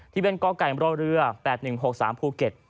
ที่เป็นก้อกัยเมื่อเรือ๘๑๖๓ภูเก็ต